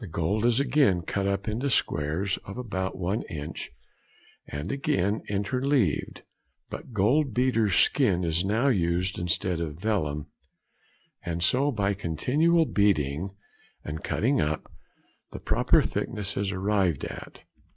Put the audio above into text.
The gold is again cut up into squares of about one inch, and again |80| interleaved; but gold beaters' skin is now used instead of vellum; and so by continual beating and cutting up, the proper thickness is arrived at.